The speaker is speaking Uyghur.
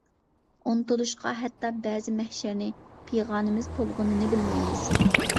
ئۇنتۇلۇشقا ھەتتا بەزى مەھشەرنى، پىغانىمىز تولغىنىنى بىلمەيمىز.